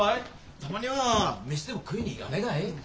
たまには飯でも食いに行がねえがい？